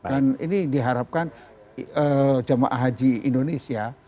dan ini diharapkan jamaah haji indonesia